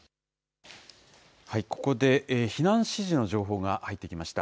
ここで避難指示の情報が入ってきました。